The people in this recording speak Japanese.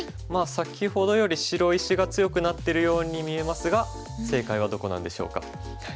先ほどより白石が強くなってるように見えますが正解はどこなんでしょうか？